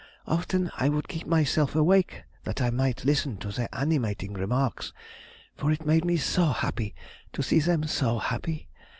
Often I would keep myself awake that I might listen to their animating remarks, for it made me so happy to see them so happy.